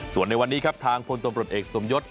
ส่วนในวันนี้ทางพลตรวจเอกสมยศ